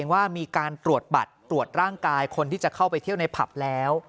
ว่ามีการตรวจบัตรตรวจร่างกายคนที่จะเข้าไปเที่ยวในผับแล้ว